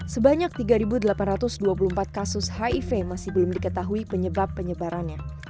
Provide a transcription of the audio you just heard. sebanyak tiga delapan ratus dua puluh empat kasus hiv masih belum diketahui penyebab penyebarannya